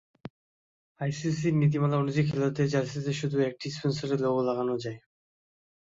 আইসিসির নীতিমালা অনুযায়ী খেলোয়াড়দের জার্সিতে শুধু একটি স্পনসরের লোগো লাগানো যায়।